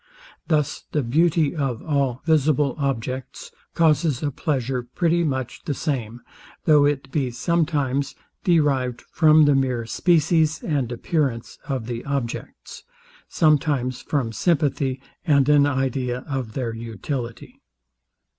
Thus the beauty of all visible objects causes a pleasure pretty much the same, though it be sometimes derived from the mere species and appearance of the objects; sometimes from sympathy, and an idea of their utility.